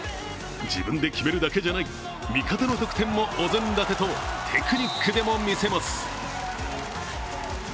自分で決めるだけじゃない味方の得点もお膳立てとテクニックでもみせます。